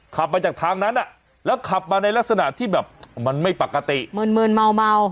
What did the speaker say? ขับมาจากทางนั้นอ่ะแล้วขับมาในลักษณะที่แบบมันไม่ปกติมืนมืนเมา